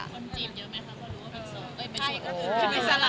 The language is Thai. คนจีบเยอะไหมครับเพราะรู้ว่าเป็นโซนก็ยังไม่เป็นโซน